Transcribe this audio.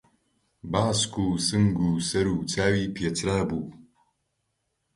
باسک و سنگ و سەر و چاوی پێچرابوو